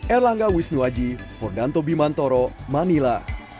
erlangga wisnuwaji fondanto bimantoro manila